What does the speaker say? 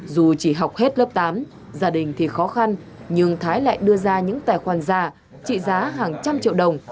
dù chỉ học hết lớp tám gia đình thì khó khăn nhưng thái lại đưa ra những tài khoản giả trị giá hàng trăm triệu đồng